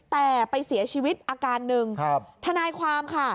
แต่ไปเสียชีวิตอาการหนึ่งครับทนายความค่ะ